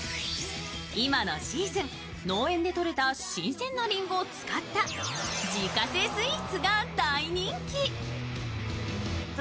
今のシーズン、農園で採れた新鮮なりんごを使った自家製スイーツが大人気。